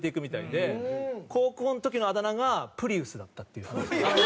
高校の時のあだ名が「プリウス」だったっていう話も。